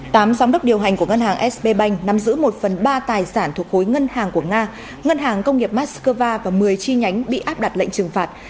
tám giám đốc điều hành của ngân hàng sb bank nắm giữ một phần ba tài sản thuộc khối ngân hàng của nga ngân hàng công nghiệp moscow và một mươi chi nhánh bị áp đặt lệnh trừng phạt